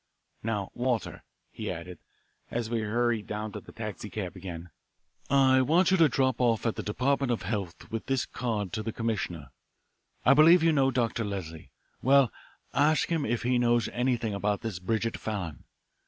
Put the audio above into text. "Now, Walter," he added, as we hurried down to the taxicab again, "I want you to drop off at the Department of Health with this card to the commissioner. I believe you know Dr. Leslie. Well, ask him if he knows anything about this Bridget Fallon.